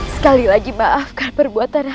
sekali lagi maafkan perbuatan